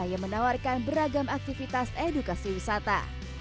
yang menawarkan beragam aktivitas edukasi wisata